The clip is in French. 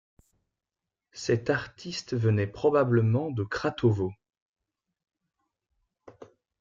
Cet artiste venait probablement de Kratovo.